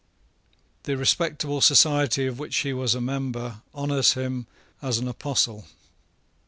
The respectable society of which he was a member honours him as an apostle.